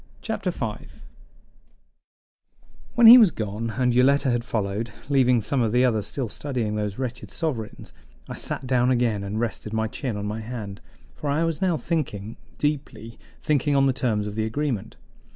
Chapter 5 When he was gone, and Yoletta had followed, leaving some of the others still studying those wretched sovereigns, I sat down again and rested my chin on my hand; for I was now thinking deeply: thinking on the terms of the agreement.